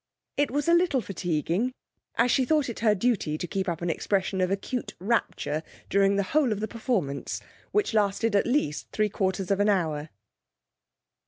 It was a little fatiguing, as she thought it her duty to keep up an expression of acute rapture during the whole of the performance, which lasted at least three quarters of an hour.